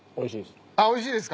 おいしいです。